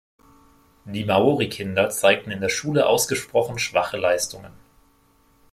Die Maori-Kinder zeigten in der Schule ausgesprochen schwache Leistungen.